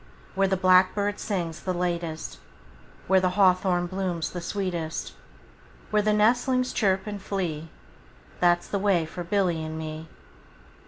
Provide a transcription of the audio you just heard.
Where the blackbird sings the latest, 5 Where the hawthorn blooms the sweetest, Where the nestlings chirp and flee, That 's the way for Billy and me.